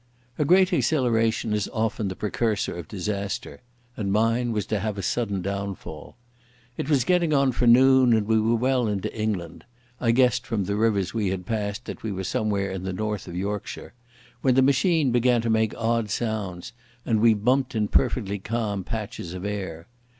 A great exhilaration is often the precursor of disaster, and mine was to have a sudden downfall. It was getting on for noon and we were well into England—I guessed from the rivers we had passed that we were somewhere in the north of Yorkshire—when the machine began to make odd sounds, and we bumped in perfectly calm patches of air.